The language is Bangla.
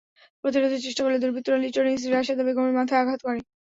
প্রতিরোধের চেষ্টা করলে দুর্বৃত্তরা লিটনের স্ত্রী রাশেদা বেগমের মাথায় আঘাত করে।